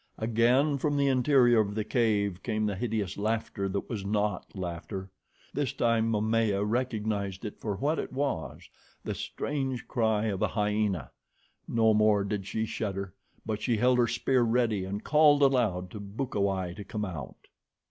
Again, from the interior of the cave came the hideous laughter that was not laughter. This time Momaya recognized it for what it was, the strange cry of a hyena. No more did she shudder, but she held her spear ready and called aloud to Bukawai to come out.